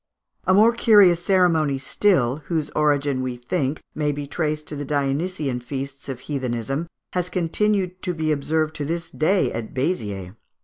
A more curious ceremony still, whose origin, we think, may be traced to the Dionysian feasts of heathenism, has continued to be observed to this day at Béziers.